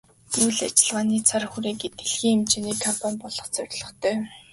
Үйл ажиллагааны цар хүрээгээрээ дэлхийн хэмжээний компани болох зорилготой.